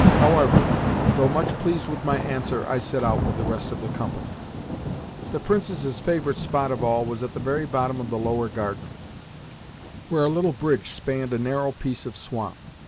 However, though much pleased with my answer, I set out with the rest of the company. The Princess's favourite spot of all was at the very bottom of the lower garden, where a little bridge spanned a narrow piece of swamp.